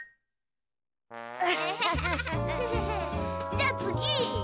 じゃあつぎ！